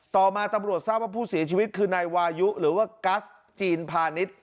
ต่อมาตำรวจทราบว่าผู้เสียชีวิตคือนายวายุหรือว่ากัสจีนพาณิชย์